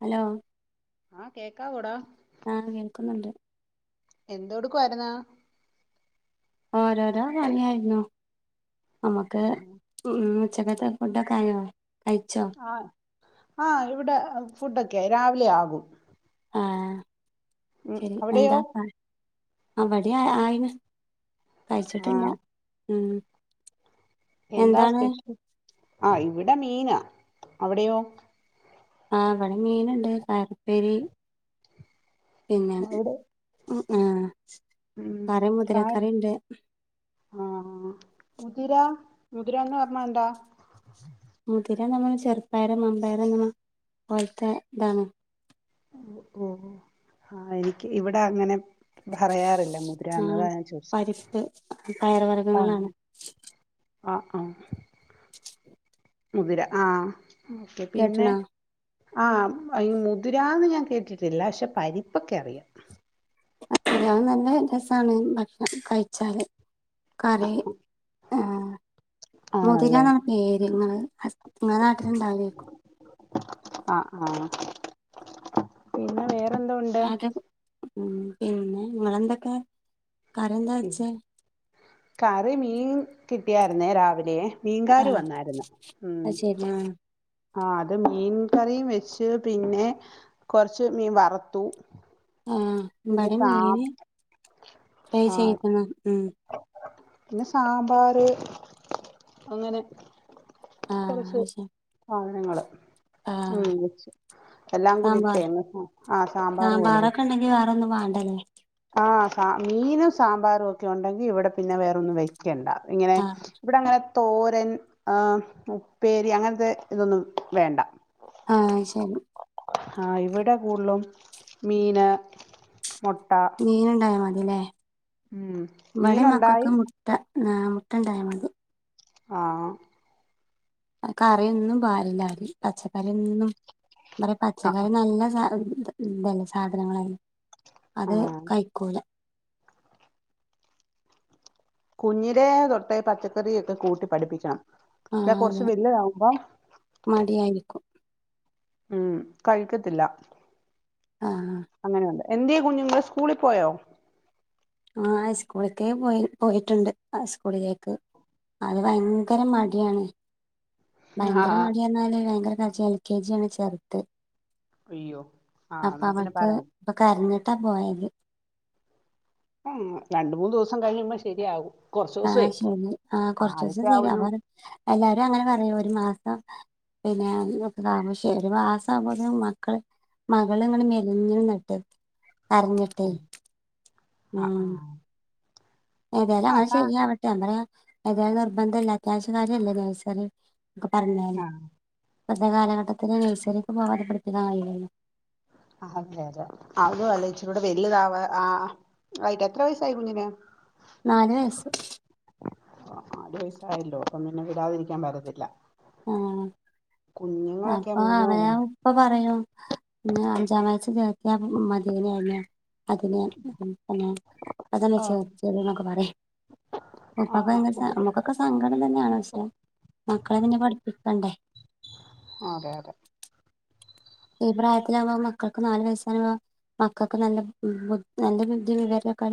Hello ആഹ് കേക്കാവോട ആഹ് കേക്കുന്നുണ്ട് എന്തോടുക്കുവായിരുന്ന് ഓരോരോ പണിയായിരുന്നു നമുക്ക് ഉം ഉച്ചക്കൽത്തെ ഫുഡ്‌ ഒക്കെ ആയോ കഴിച്ചോ ആ ആ ഇവിടെ ഫുഡൊക്കെ ആയി രാവിലെ ആകും ആഹ് ഉം ശരി അവിടെയോ എന്റാക്കാം അവിടെ ആയിന് ആ കഴിച്ചിട്ടില്ല ഉം എന്താ എന്താണ് സ്പെഷ്യൽ ആ ഇവിടെ മീനാ അവിടെയോ ആ ഇവിടേം മീനുണ്ട് കാരുപ്പേരി പിന്നെ അവിടെ ഉം കറി മുതിര കറിയുണ്ട് ആഹ് മുതിര മുതിരാന്ന് പറഞ്ഞാ എന്താ മുതിര നമ്മള് ചെറുപയറ് വമ്പയറ് അങ്ങനെ പോലത്തെ ഇതാണ് ഓ ആ എനിക്ക് ഇവിടെ അങ്ങനെ പറയാറില്ല മുതിരാന്ന് ആഹ് അതാ ഞാൻ ചോദിച്ചെ പരിപ്പ് ആ പയർവർഗ്ഗങ്ങളാണ് ആ ആഹ് [unintelligible] മുതിര ആഹ് ഓക്കെ പിന്നെ കേട്ടണോ ആ ഈ മുതിരാന്ന് ഞാൻ കേട്ടിട്ടില്ല പക്ഷെ പരിപ്പൊക്കെ അറിയാം അത് നല്ല രസാണ് ഭക്ഷണം ഉണ്ടാക്കി കഴിച്ചാല് കറി ആഹ് ആണല്ലേ മുതിരാന്നാണ് പേര് നിങ്ങള് നിങ്ങടെ നാട്ടിലുണ്ടാവില്ലാരിക്കും ആ ആ പിന്നെ വേ റെന്തോ ഉണ്ട്? അത് ഉം പിന്നെ നിങ്ങള് എന്തൊക്കെ? ഇവ് കറി മീൻ കിട്ടിയായിരുന്നേ രാവിലെയേ മീൻകാര് ആഹ് വന്നായിരുന്ന് ഉം അത് ശരി ആഹ് ആ അത് മീൻ കറിയും വെച്ച് പിന്നെ കൊറച്ച് മീൻ വറുത്തു. ആഹ് പിന്നെ ഇവിടെയും സാ മീന് ഫ്രൈ ആ ചെയ്ക്കുന്നു ഉം പിന്നെ സാമ്പാറ് അങ്ങനെ ആഹ് കുറച്ച് അത് ശരി ആ ഞങ്ങള് ഉം ആഹ് വെച്ച് എല്ലാം സാമ്പാർ കൂടിട്ടേ അങ്ങ് സാ ആ സാമ്പാർ പോലെ വെ റൊന്നും വേണ്ടല്ലേ. ആ സാ മീനും സാമ്പാറും ഒക്കെ ഉണ്ടെങ്കിൽ ഇവിടെ പിന്നെ വേറൊന്നും വെയ് ക്കണ്ട ഇങ്ങനെ ആഹ് ഇവിടങ്ങനെ തോരൻ ആ ഉപ്പേരി അങ്ങനത്തെ ഇതൊന്നും വേണ്ട. ആ അത് ശരി ആഹ ഇവിടെ കൂടുതലും മീന് മുട്ട മീന ഉണ്ടായ മതി ലെ ഉം ഇവടെ മീനുണ്ടായി മക്കൾക്ക് മുട്ട ആ മുട്ടണ്ടായാൽ മതി ആഹ കറിയൊന്നും പാടില്ല പച്ചക്കറിയൊന്നും ആഹ് പച്ചക്കറി നല്ല സാ ഇതല്ലേ സാധനങ്ങളെ അത് ആഹ് കൈക്കൂല കുഞ്ഞിലെ തൊട്ടേ പച്ചക്കറിയൊക്കെ കൂട്ടി പഠിപ്പിക്കണം [inaudible] ആഹ് കൊറച്ച് അതെ വലതാവുമ്പോ മടിയായിരിക്കും ഉം കഴിക്കത്തില്ല ആഹ അങ്ങനെയുണ്ട് എന്ത്യേ കുഞ്ഞുങ്ങള് സ്കൂളി പോയോ ആ സ്കൂള്ക്കേ പോയി പോയിട്ടുണ്ട് സ്കൂളിലേക്ക് അത് ഭയങ്കര മടിയാണ് ഭയങ്കര ആഹ് മടിയപർഞാല് ഭയങ്കര എന്താച്ചാൽ എൽ കെ ജി ആണ് ചേർത്തെ അയ്യോ ആഹ് അപ്പൊ എന്നാ പിന്നെ അവൾക്ക് പറയണ്ട ഇപ്പൊ കരഞ്ഞി ട്ട പോയത് ആ രണ്ട് മൂന്നു ദിവസം കഴിയുമ്പോ ശെരിയാവും ആ ശെരി ആ കുറച്ച് ദിവസം ആ ശരി ഒരു അപ്പൊ എല്ലാരും അങ്ങനെ പറയും ഒരു മാസ പിന്നെ [unintelligible] ശെരി ഒരു മാസാവുമ്പോ മക്കള് മകള് ഇങ്ങനെ മെലിഞ്ഞിന്നിട്ട് കരഞ്ഞിട്ടേ ആഹ് ഉം ആഹ് ഏതായാലും അങ്ങനെ ആഹ് ശെരിയാവട്ടെ ഞാൻ പറയാ ഏതായാലും നിർബന്ധല്ല അത്യാവശ്യ കാര്യല്ലേ നഴ്സറി ഒക്കെ പറഞ്ഞാനി ആഹ് ഇപ്പൊത്തെ കാലഘട്ടത്തില് നേഴ്‌സറിക്ക് പോകാതെ പഠിപ്പിക്കാൻ കയൂല്ലല്ലോ അതേ അതേ അതും അല്ല ഇച്ചിരി കൂടെ വല്യതാവ ആ ആയിട്ട് എത്ര വയസായി കുഞ്ഞിന് നാല് വയസ്സ് ആ നാലുവയസായല്ലോ അപ്പം പിന്നെ വിടാതിരിക്കാൻ പറ്റത്തില്ലാ ആ അപ്പൊ മൂന്നോ അവന ഉപ്പ പറയും അഞ്ചാം വയസ്സില് ചേർത്യ മതി യെന് ന്ന് അതിന്നെ ആഹ് [unintelligible] ഇപ്പൊക്കെ ആഹ് ആഹ് നമ്മുക്കൊക്കെ സങ്കടം തന്നെയാണ് പക്ഷെ മക്കളെ പിന്നെ പഠ കണ്ടേ അതെ അതെ ഈ പ്രായത്തിലാകുമ്പോ മക്കൾക്ക് നാല് വയസാകുമ്പോം മക്കൾക്ക് നല്ല നല്ല ബുദ്ധി വിവരൊക്കെ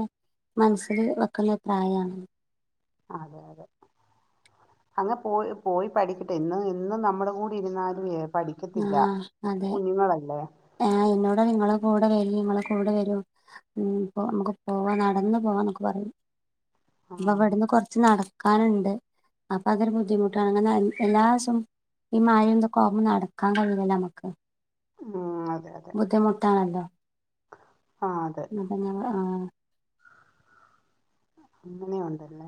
മനസ്സിൽ വെക്കുന്ന പ്രായാണ് അതെ അതെ അങ്ങ് പോയി പോയി പഠിക്കട്ടെ ഇന്ന് ഇന്ന് നമ്മുടെ കൂടി ഇരുന്നാല് ആ അതെ ആ എന്നോട് നിങ്ങള കൂടെ വെരി ങ്ങളെ കൂടെ വെരും മ് പ്പോ മ്മക്ക് നടന്ന് പോവാ ന്നൊക്കെ പറയും ആഹ് ഇവ്ട്ന്ന് കൊറച്ച് നട ക്കാനുണ്ട് അപ്പൊ അതൊരു ബുദ്ധിമുട്ടാണ് അങ്ങനെ എല്ലാ ദിവസം ഈ മഴേ തോക്കാവുമമ്പോ നട ക്കാൻ കയ്യൂല്ലല്ലോ നമ്മക്ക് ഉം അത ബുദ്ധിമുട്ടാണല്ലോ ആഹ് അതെ അപ്പോ ആ അങ്ങനെ ഒണ്ടല്ലേ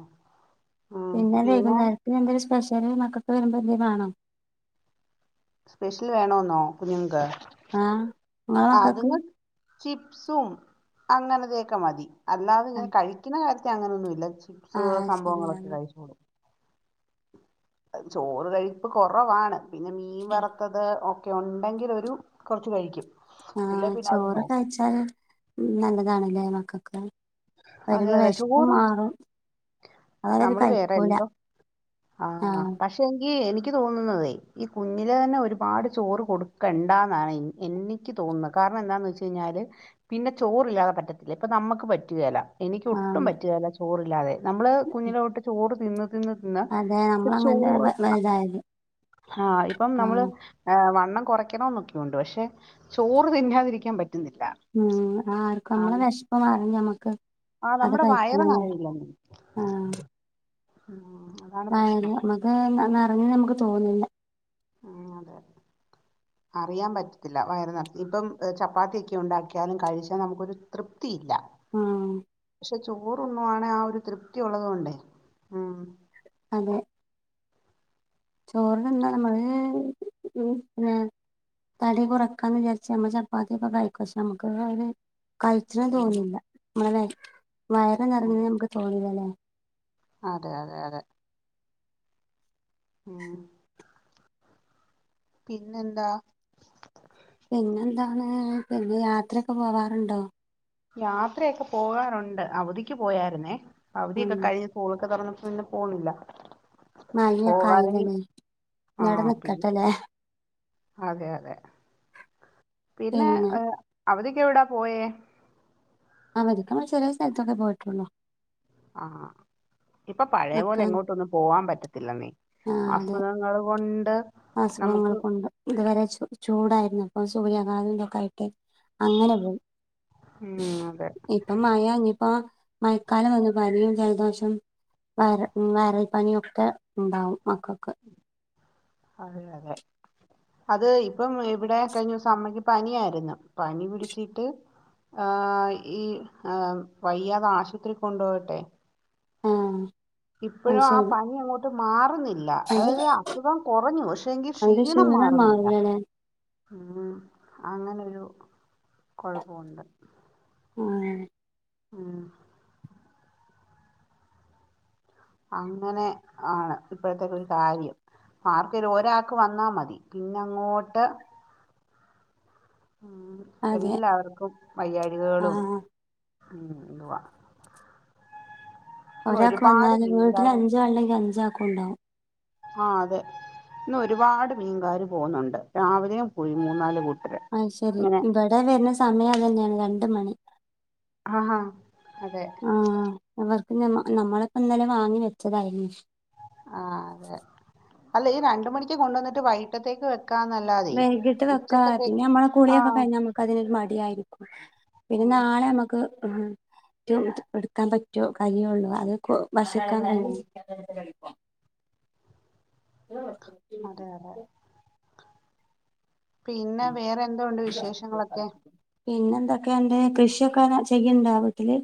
പിന്നെ വൈകുന്നേരത്തിന് എന്തും സ്പെഷ്യ ചെറിയ മക്കക്ക് വരുമ്പോ എതെങ്കിലും വാണോ സ്പെഷ്യൽ വേണെന്നോ കുഞ്ഞുങ്ങക്ക് ആ ഇങ്ങളമക്കക്ക് അതുങ്ങൾ ചിപ്സും അങ്ങനതെയൊക്കെ മതി അല്ലാതെ ഇങ്ങനെ കഴിക്കുന്ന കാര്യ അങ്ങനൊന്നും ഇല്ല ചിപ്സ് ആഹ് സംഭവങ്ങളൊക്കെ ശരിയാണ് കഴിച്ചോളും ചോറ് കഴിപ്പ് കുറവാണ് പിന്നെ മീൻ വറുത്തത് ക്കെ ഉണ്ടെങ്കി ഒരു കുറച്ച് കയിക്കും ആഹ് ചോറ് കഴിച്ചാല് ഉ നല്ലതാണല്ലേ മക്കൾക്ക് അതെ വരുമ്പോ അതെ വെശപ്പും ചോറും മാറും അതവര് നമ്മള് വേറെ കഴിക്കൂല എന്തോ ആഹ് പക്ഷെ എങ്കി എനിക്ക് എനിക്ക് തോന്നുന്നുന്നതേ ഈ കുഞ്ഞിലെ തന്നെ ഒരുപാട് ചോറ് കൊടുക്കണ്ട എന്നാണ് എനിക്ക് തോന്നുന്നത് കാരണം എന്താന്ന് വെച്ച കഴിഞ്ഞാല് പിന്നെ ചോറില്ലാതെ പറ്റത്തില്ല ഇപ്പൊ നമുക്ക് പറ്റ റ്റുകേല എനിക്ക് ഒട്ടും ആഹ് പറ്റികെല്ലാ ചോറില്ലാതെ നമ്മള് കുഞ്ഞിലെ തൊട്ട് ചോറ് തിന്ന് തിന്ന് തിന്ന് അതെ ഇപ്പോ ചോറ് നമ്മളങ്ങനെ ഇതായത് ആ ഇപ്പോ ആഹ് നമ്മള് വണ്ണം കുറക്കണോന്നൊക്കെ ഉണ്ട് പക്ഷെ ചോറ് തിന്നാതിരിക്കാൻ പറ്റ ഉം ആർക്കും നമ്മള് വിശപ്പ് മാറ നമ്മക്ക് ആഹ് അത് നമ്മുടെ വയറ് കഴിക്കണം ആഹ് മ് ആ ഇല്ല നമുക്ക് നിറഞ്ഞന്ന് നമുക്ക് തോന്നില്ല ആ അതെ അറിയാൻ പറ്റത്തില്ല വയറ് നിറഞ്ഞ ഇപ്പം ചപ്പാത്തിയൊക്കെ ഉണ്ടാക്കിയാലും കഴിച്ചാൽ നമുക്കൊരു തൃ തൃപ്തി ഇല്ല ആഹ് പക്ഷേ ചോറുണ്ണുവാണേ ആ ഒരു തൃപ്തി ഉള്ളത് കൊണ്ടേ ഉം അതെ ചോറ് തിന്നാ നമ്മള് പിന്നെ തടി കുറക്കാന്ന് വിചാരിച്ച് നമ്മ ചപ്പാത്തിയൊക്കെ കഴിക്കുക്ഷെ നമ്മുക്ക് അര കഴിച്ചണം ഉം, തോന്നില്ല നമ്മളെ വയറ് ഉം. നിറഞ്ഞന്ന് നമുക്ക് തോന്നിലല്ലേ. [inaudible] അതെ അതെ അതെ. ഉം. പിന്നെന്താ? പിന്നെന്താണ് പിന്നെ യാത്രയൊക്കെ പോവാറുണ്ടോ? യാത്രയൊക്കെ പോകാറുണ്ട് അവധിക്ക് പോയാരുന്നേ ഉം അവധിയൊക്കെ കഴിഞ്ഞ് സ്കൂളൊക്കെ തുറന്ന പിന്ന പോന്നില്ല മഴയൊക്കെ ആയില്ലീനി ഇനി ഇടെ ആഹ് പിന്നെ നിക്കട്ടല്ലേ അതെ അതെ പിന്നെ ഏഹ് അവധിക്ക് എവിടാ പോയേ? അവധിക്ക് അവിടെ ചെലേ സ്ഥലത്തൊക്കെ പോയിട്ടുള്ളൂ ആഹാ ഇപ്പൊ പഴയ പോലെ മക്കളും എങ്ങോട്ടൊന്നും പോവാൻ പറ്റത്തില്ലെന്നെ ആഹ് അതെ അസുഖങ്ങള് കൊണ്ട് അസുഖങ്ങൾ നമുക്ക് കൊണ്ട് ഇതുവരെ ചു ചൂടായിരുന്നു. സൂര്യാഘാതോം ഇതൊക്കെ ആയിട്ട് അങ്ങനെ പോകും. ഉം അതെ ഇപ്പം മഴയാ ഇനീപ്പോ മഴക്കാലം വന്നു പനിയും ജലദോഷം, വയറ് വയറൽ പനിയൊക്കെ ഇണ്ടാവും മക്കക്ക് അതെ അതെ അത് ഇപ്പം ഇവിടെ കഴിഞ്ഞ ദിവസം അമ്മയ്ക്ക് പനിയായിരുന്നു. പനി പിടിച്ചിട്ട് ആ ഈ ഏഹ് വയ്യാതെ ആശുപത്രി കൊണ്ടോയട്ടെ ആ ഇപ്പഴും ആ പനി അങ്ങോട്ട് മാറുന്നി ല്ല അത് അതായത് അസുഖം കൊറഞ്ഞു പക്ഷേങ്കി അതിന്റെ ക്ഷീണം മാറുന്നില്ല മാറില്ലല്ലേ ഉം അങ്ങനൊരു കൊഴപ്പോണ്ട് ആ ആ അങ്ങനെ ആണ് ഇപ്പഴത്തെക്കെ ഒരു കാര്യം ആർക്കേലും ഒരാൾക്ക് വന്നാ മതി പിന്നെ അങ്ങോട്ട് അതെ എല്ലാവർക്കും വയ്യാഴകകളും ആഹ് ഉം [unintelligible] ഇന്ന് ഒരാക്ക് ഒരുപാട് വന്നാല് വീട്ടില് മീൻകാർ അഞ്ചാളുണ്ടെങ്കി അഞ്ചാക്കും ഒണ്ടാവും ആ അതെ ഇന്ന് ഒരുപാട് മീൻകാര് പോവുന്നൊണ്ട് രാവിലെയും പോയി മൂന്നാല് കൂട്ട അ ശരി ഇവിടെ വരുന്ന സമയം അതന്നെയാണ് രണ്ട് മണി ആ അതെ ഞമ്മ നമ്മളൊക്ക ഇന്നലെ വാങ്ങി വെച്ചതായിരുന്നു ആ അതെ അല്ല ഈ രണ്ടു മണിക്ക് കൊണ്ട് വന്നിട്ട് വൈകിട്ടത്തേക്ക് വെക്കാന്നല്ലാതെ വൈകിട്ട് വെക്കാ പിന്നെ ഉച്ചക്കത്തേക്ക് നമ്മളെ ആ കുളിയൊക്കെ കഴിഞ്ഞാ മ്മക്ക് അതിനൊരു മടിയായിരിക്കും ആ, പിന്നെ നാളെ മ്മക്ക് ആ ഏറ്റ് എടുക്കാൻ പറ്റ്വോ കഴിയുള്ളൂ അതക്ക വശളക്കാൻ ഉം, [unintelligible] അതെ അതെ പിന്നെ വേറെന്തോണ്ട് വിശേഷങ്ങളൊക്കെ പിന്നെ എന്തൊക്കെയൊണ്ട് കൃഷിയൊക്കെ ഇങ്ങന ചെയ്യുന്നുണ്ട വീട്ടില്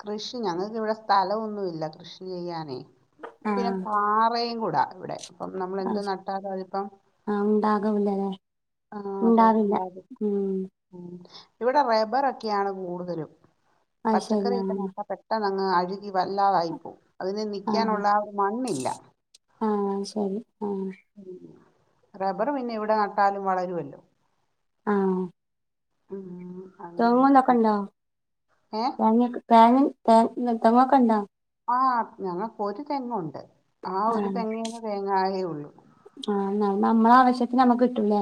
കൃഷി ഞങ്ങൾക്കിവിടെ സ്ഥലം ഒന്നുമില്ല കൃഷി ചെയ്യാനേ പിന്നെ ആഹ് പാറയും കൂടാ ഇവിടെ അപ്പം നമ്മൾ എന്ത ആഹ് നട്ടാലും അതിപ്പം ഉണ്ടാകവില്ലല്ലേ ആ അതെ ഉണ്ടാവില്ല ഉണ്ടാവ ഉം ഇവിടെ റബറൊക്കെയാണ് കൂടുതലും അത് ശരി പച്ചക്കറിയെക്ക ആഹ് നട്ടാ പെട്ടെന്ന് അങ്ങ് അഴുകി വല്ലാതായി പോം അതിന് ആഹ് നിക്കാനുള്ള ആ മണ്ണില്ല ആഹ് ശരി ആഹ് റബ്ബർ പിന്നെ എവിടെ നട്ടാലും വളരുവല്ലോ ങാം തെങ്ങുംതൊക്കെണ്ടോ ഏ തേങ്ങക്കെ തേങ്ങേൻ [unintelligible] കണ്ട ആ ഞങ്ങക്ക് ഒരു തെങ്ങുണ്ട് ആ ഒരു ആഹ് തെങ്ങിന്റെ തേങ്ങായേ ഉള്ളു [unintelligible] നമ്മക്ക് കിട്ടൂലേ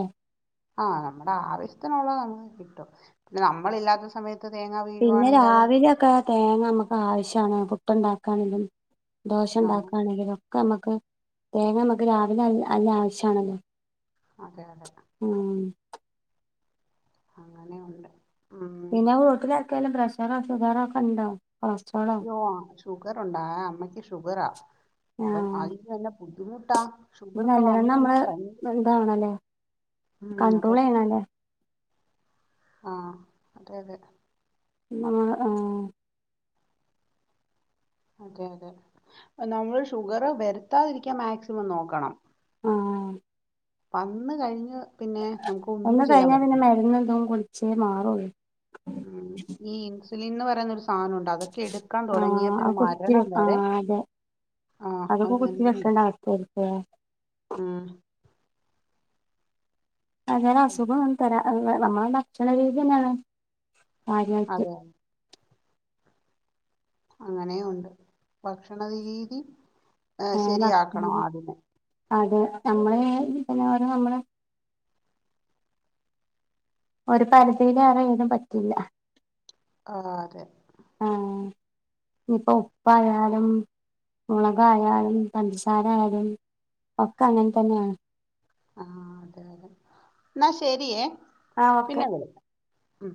ആ നമ്മുടെ ആവശ്യത്തിനുള്ളത് നമുക്ക് കിട്ടും പിന്നെ നമ്മളില്ലാത്ത സമയത്ത് തേങ്ങ പിന്നെ വീഴുവാണെങ്കിൽ അത് രാവിലെയൊക്കെ തേങ്ങ നമ്മക്ക് ആവശ്യാണ് ണ്ടാക്കാനേലും ആഹ് ദോശണ്ടാക്കാണെങ്കിലും ക്ക് നമ്ക്ക് തേങ്ങ നമക്ക് രാവിലെ നല്ല ആവശ്യാണല്ലോ അതെ അതെ അങ്ങനെയൊണ്ട് പിന്നെ [unintelligible] ർക്കേലും പ്രഷറാ ഷുഗറാക്കൊണ്ടോ യ്യോ ഷുഗറൊണ്ടാ അമ്മയ്ക്ക് ഷുഗറാ അപ്പം ആഹ് ആദ്യം തന്നെ ബുദ്ധിമുട്ടാ ഇത് ഷുഗറൊക്കെ വന്ന് നല്ലവണ്ണം കഴിഞ്ഞാ നമ്മള് ഭയങ്കര ഇതാവണല്ലേ ഉം അതെ കൺട്രോളെയ്യണല്ലേ. ആഹ് അതെ അതെ. ആഹ് ആഹ്. അതെ അതെ നമ്മള് ഷുഗറ് വരുത്താതിരിക്കാൻ മാക്സിമം നോക്കണം. ആഹ്. വന്ന് കഴിഞ്ഞ് പിന്നെ നമുക്ക് ഒന്നും വന്ന് ചെയ്യാൻ കഴിഞ്ഞാ പിന്നെ പറ്റത്തില്ല മരുന്ന്‌ എന്തോ ച്ചേ മാറൂള്ളു ഉം ഈ ഇന്സുലിന്ന് പറയുന്നോര് സാനം ഉണ്ട് അതൊക്കെ എടുക്കാൻ തുടങ്ങിയാ ആഹ് പിന്നെ അത് കുത്തി മരണം വരെ ആഹ് അതെ ആ അത് അതൊക്കെ കുത്തി തന്നെ വെക്കേണ്ട അവസ്ഥയായിരിക്കുല്ലേ ഉം അതുപോലെ അസുഖം ഒന്നും തരാ അ നമ്മളെ ഭക്ഷണ രീതിയെന്നാണ്. കാര്യായിട്ട്. അതെ അങ്ങനേം ഒണ്ട് ഭക്ഷണരീതി. ഏ ആഹ് ശരിയാക്കണം ഭക്ഷണം ആദ്യം ന്നെ. അതെ നമ്മള് [unintelligible] നമ്മള് ഒരു പരിധിയിലേറെ എനിക്കും പറ്റില്ല ആണോ അതെ ആഹ് ഇനിയിപ്പോ ഉപ്പായാലും മൊളകായാലും പഞ്ചസാര ആയാലും ഒക്കെ അങ്ങനെ തന്നെയാണ് ആഹ് അതെ അതെ എന്നാ ശെരിയേ ആഹ് ഓക്കെ പിന്നെ വിളിക്കാം ഉം